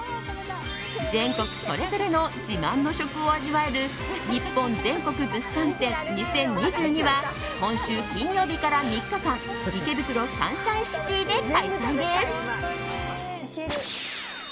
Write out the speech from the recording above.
全国それぞれの自慢の食を味わえるニッポン全国物産展２０２２は今週金曜日から３日間池袋サンシャインシティで開催です。